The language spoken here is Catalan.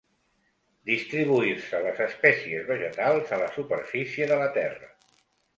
Distribuir-se les espècies vegetals a la superfície de la terra.